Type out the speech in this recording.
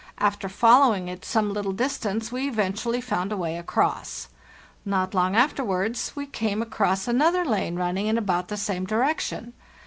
After following it some little distance we eventually found a way across.t Not long afterwards we came across another lane running in about the same direction.